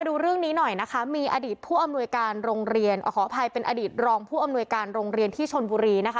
ดูเรื่องนี้หน่อยนะคะมีอดีตผู้อำนวยการโรงเรียนขออภัยเป็นอดีตรองผู้อำนวยการโรงเรียนที่ชนบุรีนะคะ